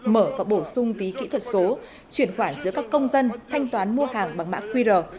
mở và bổ sung ví kỹ thuật số chuyển khoản giữa các công dân thanh toán mua hàng bằng mã qr